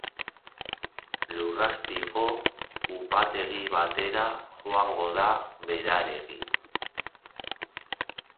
Lurrazpiko upategi batera joango da berarekin.